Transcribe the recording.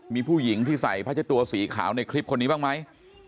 มีผู้หญิงที่ใส่พระเจ้าตัวสีขาวในคลิปคนนี้บ้างไหม